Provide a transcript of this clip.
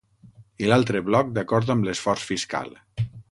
I l’altre bloc, d’acord amb l’esforç fiscal.